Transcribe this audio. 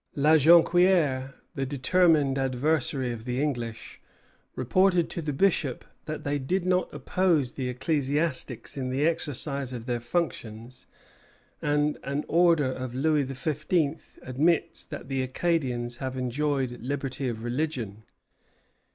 La Jonquière, the determined adversary of the English, reported to the bishop that they did not oppose the ecclesiastics in the exercise of their functions, and an order of Louis XV. admits that the Acadians have enjoyed liberty of religion.